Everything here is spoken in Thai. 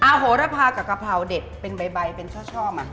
โหระพากับกะเพราเด็ดเป็นใบเป็นชอบ